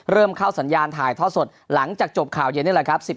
เริ่มเข้าสัญญาณถ่ายทอดสดหลังจากจบข่าวเย็นนี่แหละครับ